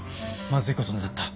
まずいことになった。